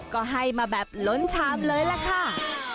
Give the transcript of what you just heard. ก็ให้มาแบบล้นชามเลยล่ะค่ะ